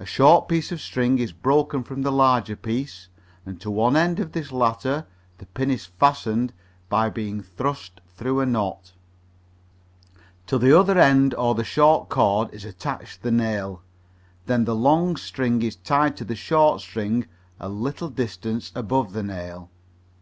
A short piece of string is broken from the larger piece, and to one end of this latter the pin is fastened by being thrust through a knot. To the other end or the short cord is attached the nail. Then the long string is tied to the short string a little distance above the nail.